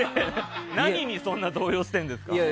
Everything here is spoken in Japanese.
何にそんなに動揺してるんですか。